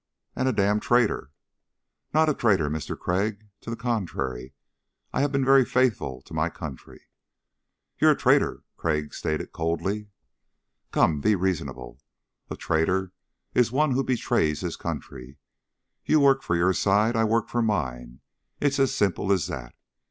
"And a damned traitor!" "Not a traitor, Mister Crag. To the contrary, I have been very faithful to my country." "You're a traitor," Crag stated coldly. "Come, be reasonable. A traitor is one who betrays his country. You work for your side ... I work for mine. It's as simple as that."